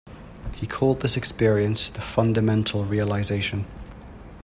He called this experience the "Fundamental Realization".